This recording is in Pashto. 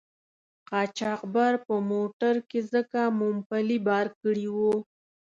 قاچاقبر په موټر کې ځکه مومپلي بار کړي وو.